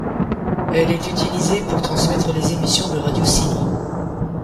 Elle est utilisée pour transmettre les émissions de Radio Scilly.